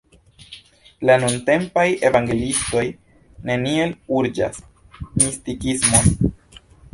La nuntempaj evangeliistoj neniel urĝas mistikismon.